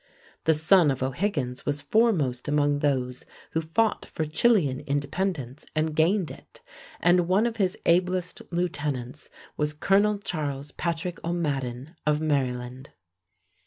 The son of O'Higgins was foremost among those who fought for Chilean independence and gained it, and one of his ablest lieutenants was Colonel Charles Patrick O'Madden of Maryland.